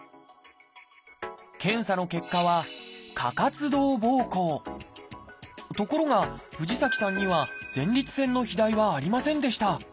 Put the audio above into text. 検査の結果はところが藤崎さんには前立腺の肥大はありませんでした。